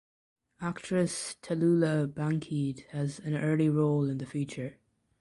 Actress Tallulah Bankhead has an early role in the feature.